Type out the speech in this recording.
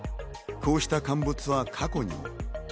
こうした陥没は過去にも。